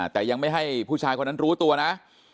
แต่ยังไม่ให้ผู้ชายคนนั้นรู้ตัวนะ